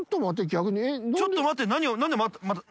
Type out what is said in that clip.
「ちょっと待って」